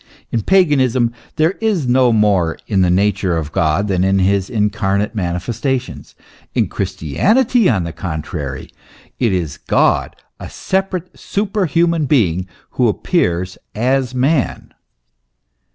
In paganism there is no more in the nature of God than in his incarnate manifestation; in Christianity, on the contrary, it is God, a separate, super human being, who appears as man.